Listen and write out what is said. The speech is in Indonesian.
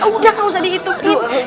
udah gak usah dihitungin